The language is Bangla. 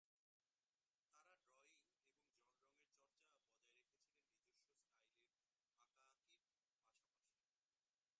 তাঁরা ড্রয়িং এবং জলরঙের চর্চা বজায় রেখেছিলেন নিজস্ব স্টাইলের আঁকাআঁকির পাশাপাশি।